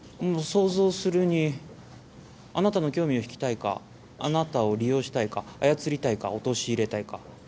想像するにあなたの興味を引きたいかあなたを利用したいか操りたいか陥れたいか。